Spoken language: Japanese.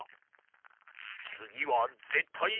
つぎはぜったい。